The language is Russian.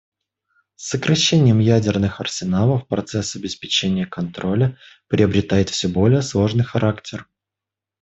С сокращением ядерных арсеналов процесс обеспечения контроля приобретает все более сложный характер.